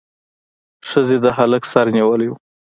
ښځې د هلک سر نیولی و.